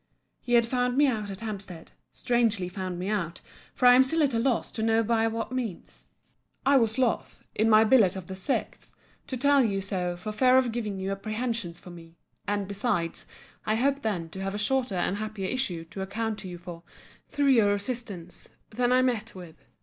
He had found me out at Hampstead: strangely found me out; for I am still at a loss to know by what means. I was loth, in my billet of the 6th,* to tell you so, for fear of giving you apprehensions for me; and besides, I hoped then to have a shorter and happier issue to account to you for, through your assistance, than I met with.